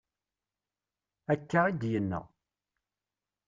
Akka i d-yenna.